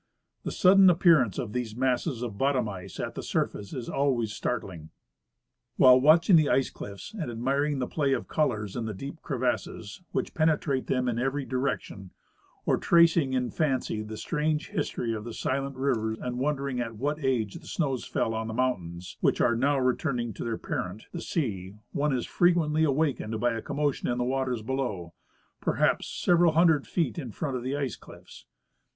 TKe sudden appearance of these masses of bottom ice at the surface is always startling. While watching the ice cliffe and admiring the play of colors in the deep crevasses which penetrate them in every direction, or tracing in fancy the strange history of the silent river and won dering in what age the snows fell on the mountains, which are now returning to their parent, the sea, one is frequently awakened by a commotion in the waters below, perhaj^s several hundred feet in front of the ice cliffs.